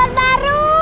aku naik motor baru